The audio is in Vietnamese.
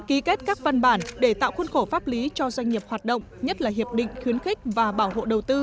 ký kết các văn bản để tạo khuôn khổ pháp lý cho doanh nghiệp hoạt động nhất là hiệp định khuyến khích và bảo hộ đầu tư